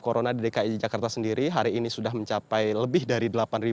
corona di dki jakarta sendiri hari ini sudah mencapai lebih dari delapan